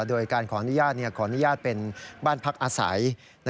โดยการขออนุญาตขออนุญาตเป็นบ้านพักอาศัย